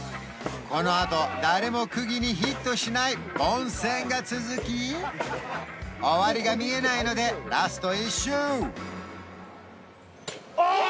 このあと誰も釘にヒットしない凡戦が続き終わりが見えないのでラスト１周あ！